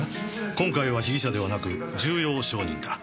今回は被疑者ではなく重要証人だ。